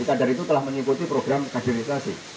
jadi kader itu telah mengikuti program karbonisasi